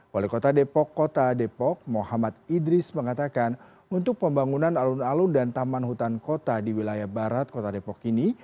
wali kota depok kota depok mohamad idris mengatakan untuk pembangunan alun alun dan taman hutan kota di wilayah barat kota depok ini